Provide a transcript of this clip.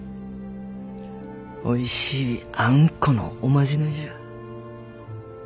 おいしいあんこのおまじないじゃ。